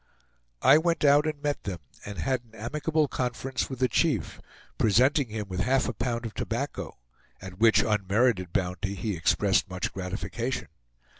I went out and met them; and had an amicable conference with the chief, presenting him with half a pound of tobacco, at which unmerited bounty he expressed much gratification.